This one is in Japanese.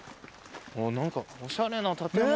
何かおしゃれな建物。